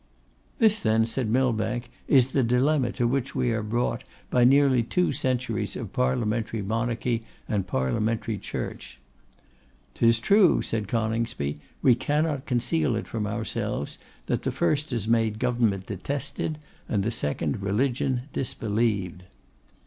'This, then,' said Millbank, 'is the dilemma to which we are brought by nearly two centuries of Parliamentary Monarchy and Parliamentary Church.' ''Tis true,' said Coningsby. 'We cannot conceal it from ourselves, that the first has made Government detested, and the second Religion disbelieved.